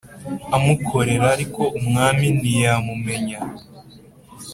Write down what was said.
Amukorera ariko umwami ntiyamumenya.